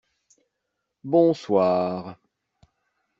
Bonsoir.